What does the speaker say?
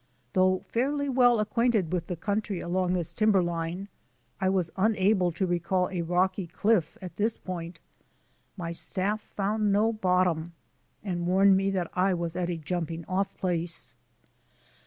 Though fairly well ac quainted with the country along this timberline, I was unable to recall a rocky cliff at this point. My staff found no bottom and warned me that I was at a jumping off place.